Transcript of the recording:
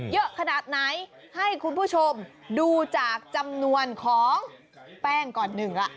เยอะขนาดไหนให้คุณผู้ชมดูจากจำนวนของแป้งก่อนหนึ่งล่ะ